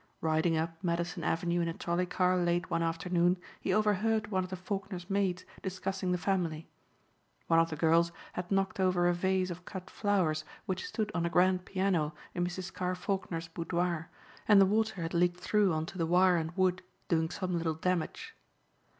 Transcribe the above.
Riding up Madison avenue in a trolley car late one afternoon, he overheard one of the Faulkner's maids discussing the family. One of the girls had knocked over a vase of cut flowers which stood on a grand piano in Mrs. Carr Faulkner's boudoir and the water had leaked through onto the wire and wood, doing some little damage.